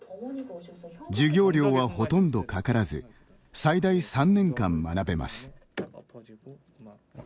授業料は、ほとんどかからず最大３年間学べます。